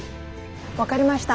分かりました。